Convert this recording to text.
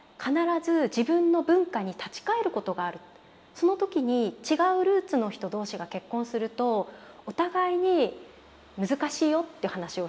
その時に違うルーツの人同士が結婚するとお互いに難しいよっていう話をしてくれたことがあったんです。